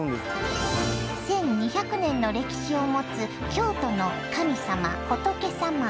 １，２００年の歴史を持つ京都の神様仏様。